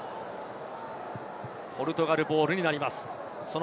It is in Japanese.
ポルトガルボールになります。